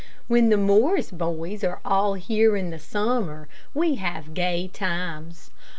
When the Morris boys are all here in the summer we have gay times.